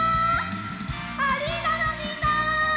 アリーナのみんな！